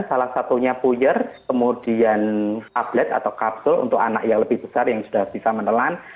salah satunya puyer kemudian tablet atau kapsul untuk anak yang lebih besar yang sudah bisa menelan